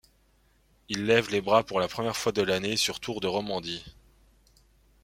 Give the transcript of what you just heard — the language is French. Il lève les bras pour la première fois de l'année sur Tour de Romandie.